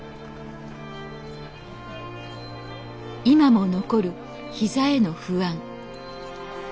今も残る膝への不安。